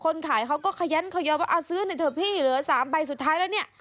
ขายเขาก็ขยันขยอว่าเอาซื้อหน่อยเถอะพี่เหลือ๓ใบสุดท้ายแล้วเนี่ย